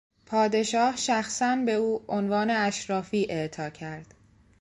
پادشاه شخصا به او عنوان اشرافی اعطا کرد.